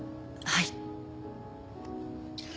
はい。